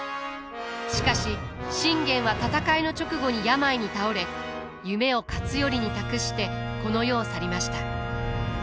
しかし信玄は戦いの直後に病に倒れ夢を勝頼に託してこの世を去りました。